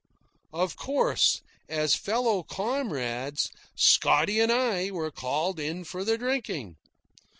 Of course, as fellow comrades, Scotty and I were called in for the drinking.